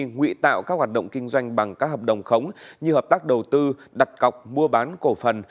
nguy tạo các hoạt động kinh doanh bằng các hợp đồng khống như hợp tác đầu tư đặt cọc mua bán cổ phần